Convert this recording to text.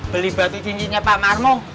beli batu cincinnya pak marmo